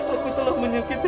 aku telah menyakiti